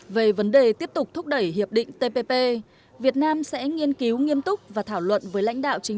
về vấn đề tiếp tục thúc đẩy hiệp định tpp việt nam sẽ nghiên cứu nghiêm túc và thảo luận với lãnh đạo chính